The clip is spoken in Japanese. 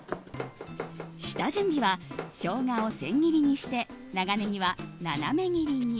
下準備はショウガを千切りにして長ネギは斜め切りに。